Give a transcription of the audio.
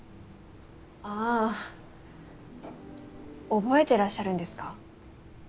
ああ覚えてらっしゃるんですか？